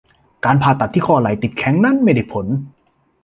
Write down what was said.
การผ่าตัดที่ข้อไหล่ติดแข็งนั้นไม่ได้ผล